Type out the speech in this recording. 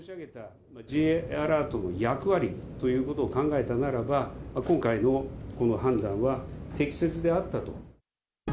Ｊアラートの役割ということを考えたならば、今回のこの判断は適切であったと。